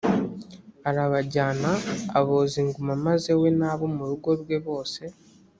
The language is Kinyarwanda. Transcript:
arabajyana aboza inguma maze we n abo mu rugo rwe bose